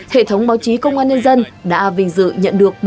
hệ thống báo chí công an nhân dân đã vinh dự nhận được